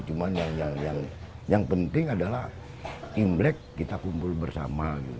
cuma yang penting adalah imlek kita kumpul bersama